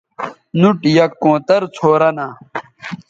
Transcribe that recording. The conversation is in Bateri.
نُوٹ یک کونتر څھورہ نہ